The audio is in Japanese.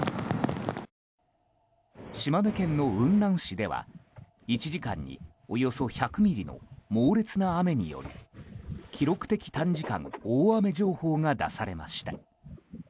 島根県の雲南市では１時間におよそ１００ミリの猛烈な雨による記録的短時間大雨情報が出されました。